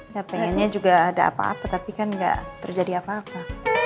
ya pengennya juga ada apa apa tapi kan gak terjadi apa apa